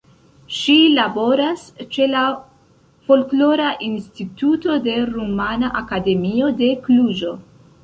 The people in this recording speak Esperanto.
Ŝi laboras ĉe la Folklora Instituto de Rumana Akademio de Kluĵo.